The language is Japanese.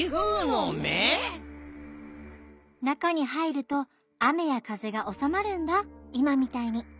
なかにはいるとあめやかぜがおさまるんだいまみたいに。